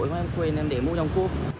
mũi vội quá em quên em để mũi trong cốp